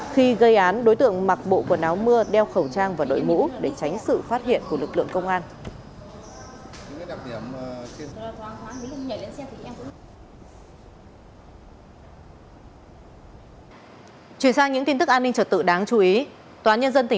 khi gây án đối tượng mặc bộ quần áo mưa đeo khẩu trang và đội mũ để tránh sự phát hiện của lực lượng công an